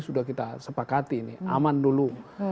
sudah kita sepakati ini aman dulu